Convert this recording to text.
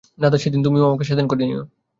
দাদা, সেইদিন তুমি আমাকেও স্বাধীন করে নিয়ো।